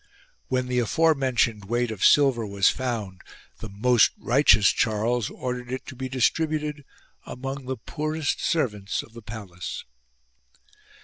When the aforementioned weight of silver was found, the most righteous Charles ordered it to be distributed among the poorest servants of the palace.